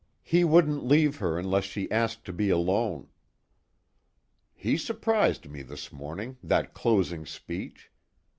He wouldn't leave her unless she asked to be alone." "He surprised me this morning, that closing speech.